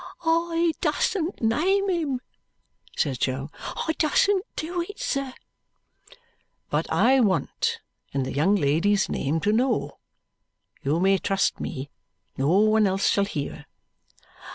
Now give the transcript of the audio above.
"I dustn't name him," says Jo. "I dustn't do it, sir. "But I want, in the young lady's name, to know. You may trust me. No one else shall hear."